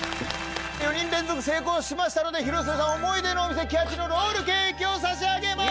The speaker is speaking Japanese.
４人連続成功しましたので広末さん思い出のお店キハチのロールケーキを差し上げます！